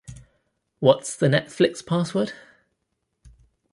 What's the Netflix password?